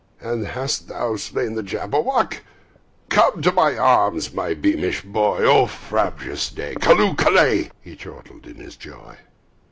"And hast thou slain the Jabberwock? Come to my arms, my beamish boy! O frabjous day! Callooh! Callay!" He chortled in his joy.